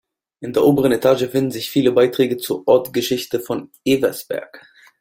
In der oberen Etage finden sich viele Beiträge zur Ortsgeschichte von Eversberg.